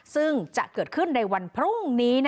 ซึ่งจะเกิดขึ้นในวันพรุ่งนี้